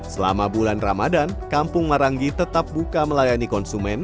selama bulan ramadan kampung maranggi tetap buka melayani konsumen